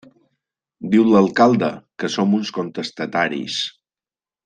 Diu l'alcalde que som uns contestataris.